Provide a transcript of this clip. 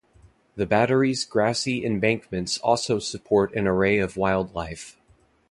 The battery's grassy embankments also support an array of wildlife.